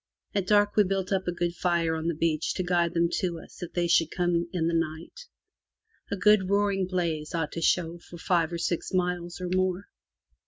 At dark we built up a good fire on the beach to guide them to us if they should come in the night. A good roaring blaze ought to show for five or six miles or more.